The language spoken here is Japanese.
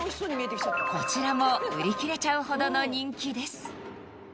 こちらも売り切れちゃうほどの人気です